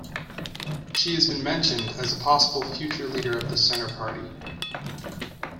She has been mentioned as a possible future leader of the Centre Party.